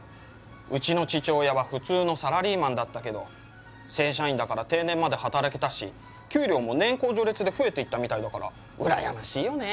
うちの父親は普通のサラリーマンだったけど正社員だから定年まで働けたし給料も年功序列で増えていったみたいだから羨ましいよね。